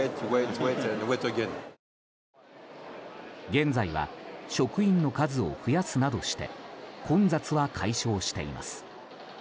現在は職員の数を増やすなどして混雑は解消しています。